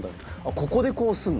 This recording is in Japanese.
「ここでこうすんの？」